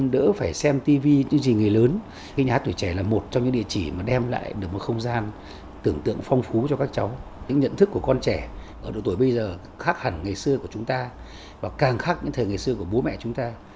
đây là chuỗi chương trình công phu phong phú cho các cháu những nhận thức của con trẻ ở độ tuổi bây giờ khác hẳn ngày xưa của chúng ta và càng khác những thời ngày xưa của bố mẹ chúng ta